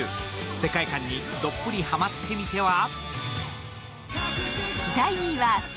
世界観にどっぷりハマってみては？